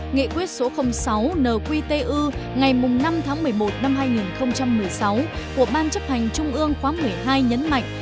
nghị quyết số sáu nqtu ngày năm tháng một mươi một năm hai nghìn một mươi sáu của ban chấp hành trung ương khóa một mươi hai nhấn mạnh